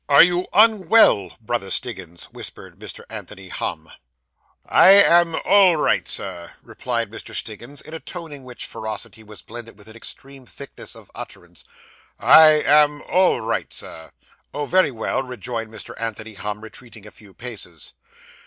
'Are you unwell, Brother Stiggins?' whispered Mr. Anthony Humm. 'I am all right, Sir,' replied Mr. Stiggins, in a tone in which ferocity was blended with an extreme thickness of utterance; 'I am all right, Sir.' 'Oh, very well,' rejoined Mr. Anthony Humm, retreating a few paces.